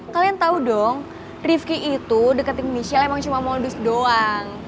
kalian tahu dong rifki itu deketin missel emang cuma mau dus doang